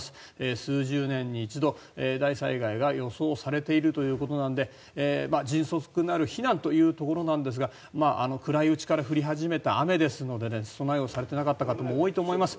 数十年に一度、大災害が予想されているということなので迅速な避難というところですが暗いうちから降り始めた雨ですので備えをされてなかった方も多いと思います。